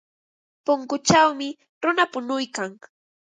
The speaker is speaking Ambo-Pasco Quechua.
Punkuchawmi runa punuykan.